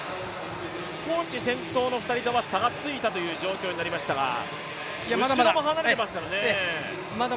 少し先頭の２人とは差がついた状況になりましたが後ろも離れていますからね。